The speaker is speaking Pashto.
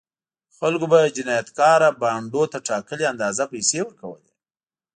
خلکو به جنایتکاره بانډونو ته ټاکلې اندازه پیسې ورکولې.